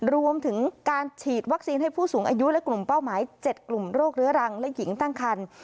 รวมถึงการฉีดวัคซีนให้ผู้สูงอายุและกลุ่มเป้าหมาย๗กลุ่มโรคเรื้อรังและหญิงตั้งคัน